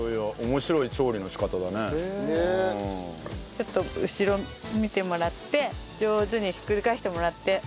ちょっと後ろ見てもらって上手にひっくり返してもらって。